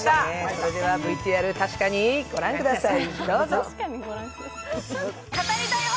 それではＶＴＲたしかに、ご覧ください。